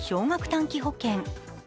短期保険